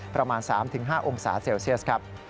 ประมาณ๓๕องศาเซลเซียสครับ